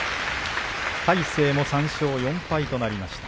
魁聖も３勝４敗となりました。